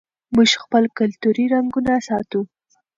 موږ خپل کلتوري رنګونه ساتو.